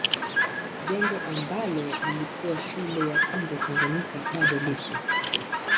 Jengo ambalo lilikuwa shule ya kwanza Tanganyika bado iko.